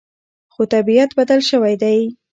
خو طبیعت بدل شوی دی.